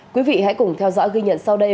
quý vị hãy cùng theo dõi ghi nhận sau đây